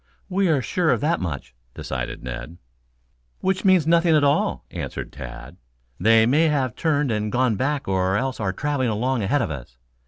We are sure of that much," decided Ned. "Which means nothing at all," answered Tad. "They may have turned and gone back or else are traveling along ahead of us.